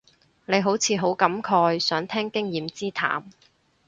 你好似好感慨，想聽經驗之談